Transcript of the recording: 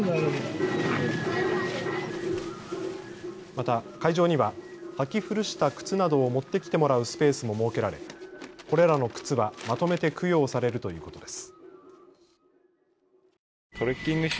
また、会場には、履き古した靴などを持ってきてもらうスペースも設けられ、これらの靴は、まとめて供養されるということです。